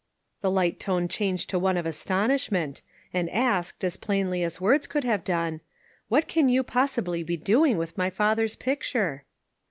The light tone changed to one of astonishment, and asked, as plainly as words could have done, " What can you possibly be doing with my father's picture?"